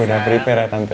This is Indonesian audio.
udah siap ya tante